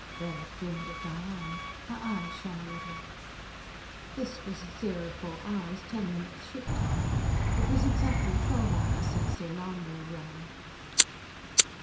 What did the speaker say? Baird grinned at Diane. Her eyes shone a little. This was at 04 hours 10 minutes ship time. It was exactly twelve hours since the alarm bell rang.